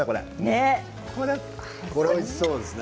これもおいしそうですね。